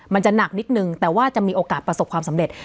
มันจะหนักนิดนึงแต่ว่าจะมีโอกาสประสบความสำเร็จ